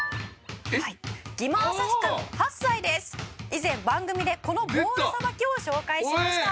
「以前番組でこのボールさばきを紹介しました」